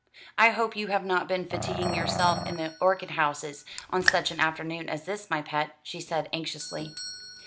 "I hope you have not been fatiguing yourself in the orchid houses on such an afternoon as this, my pet," she said anxiously.